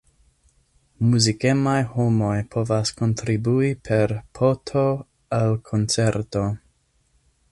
Muzikemaj homoj povas kontribui per po-to al koncerto.